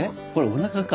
おなかか？